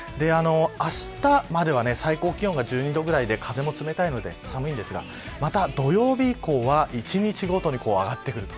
あしたまでは最高気温が１２度ぐらいで風も冷たいので寒いですがまた土曜日以降は１日ごとに上がってくると。